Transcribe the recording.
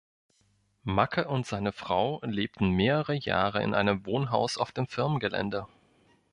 Macke und seine Frau lebten mehrere Jahre in einem Wohnhaus auf dem Firmengelände.